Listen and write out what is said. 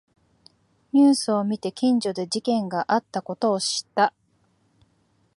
ニュースを見て近所で事件があったことを知った